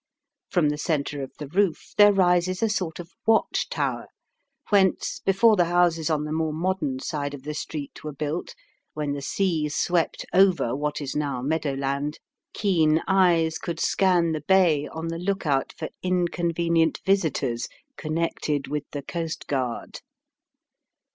From the centre of the roof there rises a sort of watch tower, whence, before the houses on the more modern side of the street were built, when the sea swept over what is now meadow land, keen eyes could scan the bay on the look out for inconvenient visitors connected with the coastguard.